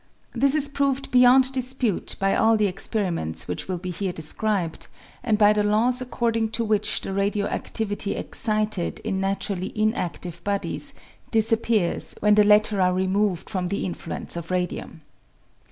_ This is proved beyond dispute by all the experiments which will be here described, and by the laws according to which the radio adivity excited in naturally inadive bodies disappears when the latter are removed from the influence of radium.